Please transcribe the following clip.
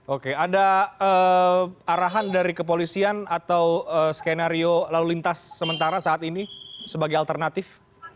oke ada arahan dari kepolisian atau skenario lalu lintas sementara saat ini sebagai alternatif